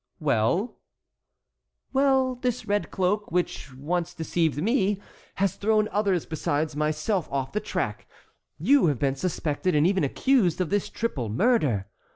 "Well?" "Well, this red cloak, which once deceived me, has thrown others besides myself off the track. You have been suspected and even accused of this triple murder.